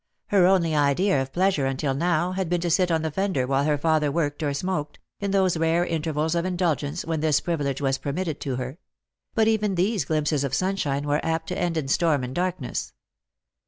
Her only idea of pleasure until now had been to sit on the fender while her father worked or smoked, in those rare intervals of indulgence when this privilege was permitted to her ; but even these glimpses of sunshine were apt to end in storm and darkness.